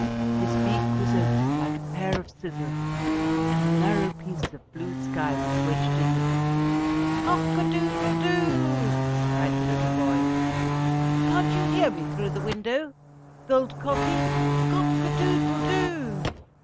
His beak was open like a pair of scissors and a narrow piece of blue sky was wedged in it. "Cock a doodle do," cried the little boy. "Can't you hear me through the window, Gold Cocky? Cock a doodle do!